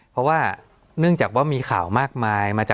สวัสดีครับทุกผู้ชม